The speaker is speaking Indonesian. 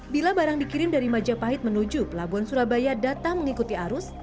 bila barang dikirim dari majapahit menuju pelabuhan surabaya datang mengikuti arus